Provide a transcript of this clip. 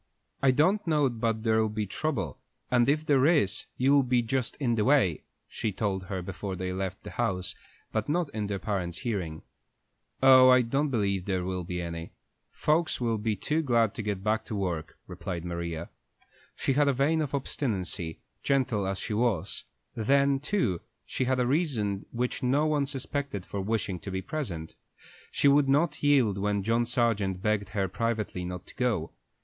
"I don't know but there'll be trouble, and if there is, you'll be just in the way," she told her before they left the house, but not in their parents' hearing. "Oh, I don't believe there'll be any. Folks will be too glad to get back to work," replied Maria. She had a vein of obstinacy, gentle as she was; then, too, she had a reason which no one suspected for wishing to be present. She would not yield when John Sargent begged her privately not to go.